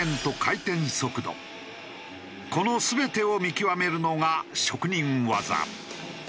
この全てを見極めるのが職人技。